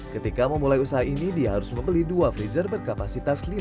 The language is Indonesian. ketika memulai usaha ini dia harus membeli dua freezer berkapasitas lima puluh